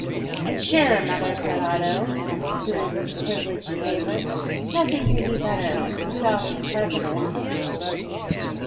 "An' sure, mother," said Otto, who was a privileged favourite, "nothing could be better, with yourself as President."